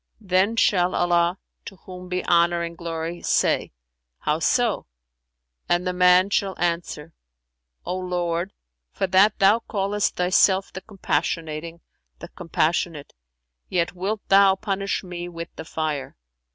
Then shall Allah (to whom be honour and glory!) say, 'How so?' and the man shall answer, O Lord, for that Thou callest Thyself the Compassionating, the Compassionate, yet wilt Thou punish me with the Fire!'